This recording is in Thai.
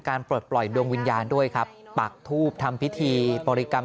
ปลดปล่อยดวงวิญญาณด้วยครับปักทูบทำพิธีปริกรรม